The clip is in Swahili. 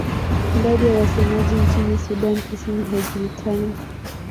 Idadi ya wasemaji nchini Sudan Kusini haijulikani.